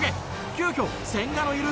急遽千賀のいる